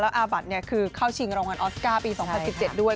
อาบัตรคือเข้าชิงรางวัลออสการ์ปี๒๐๑๗ด้วย